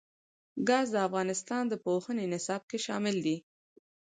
ګاز د افغانستان د پوهنې نصاب کې شامل دي.